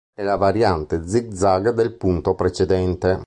È la variante zig zag del punto precedente.